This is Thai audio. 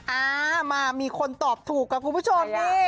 อ่ามามีคนตอบถูกค่ะคุณผู้ชมนี่